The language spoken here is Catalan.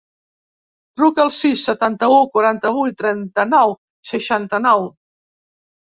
Truca al sis, setanta-u, quaranta-vuit, trenta-nou, seixanta-nou.